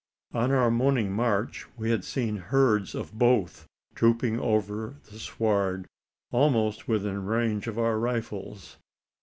On our morning march we had seen herds of both trooping over the sward almost within range of our rifles.